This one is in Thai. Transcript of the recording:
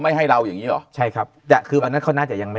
ให้เราอย่างงี้หรอใช่ครับจะคืออันนั้นเขาน่าจะยังไม่